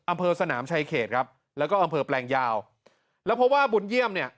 อำเภอสนามชายเขตครับแล้วก็อำเภอแปลงยาวแล้วเพราะว่าบุญเยี่ยมเนี่ย